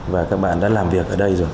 và các bạn đã làm việc ở đây rồi